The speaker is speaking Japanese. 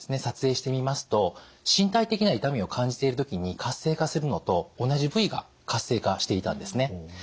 撮影してみますと身体的な痛みを感じている時に活性化するのと同じ部位が活性化していたんですね。